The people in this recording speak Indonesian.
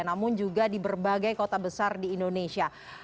namun juga di berbagai kota besar di indonesia